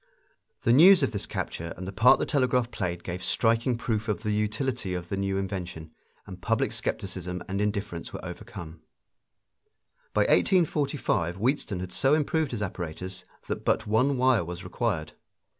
The news of this capture and the part the telegraph played gave striking proof of the utility of the new invention, and public skepticism and indifference were overcome. By 1845 Wheatstone had so improved his apparatus that but one wire was required.